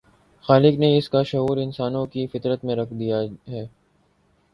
خالق نے اس کا شعور انسانوں کی فطرت میں رکھ دیا ہے۔